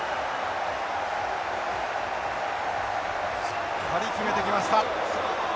しっかり決めてきました。